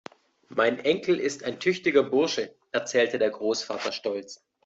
Mein Enkel ist ein tüchtiger Bursche, erzählte der Großvater stolz.